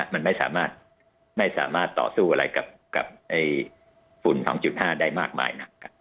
มันไม่สามารถต่อสู้อะไรกับฝุ่น๒๕ได้มากมายนัก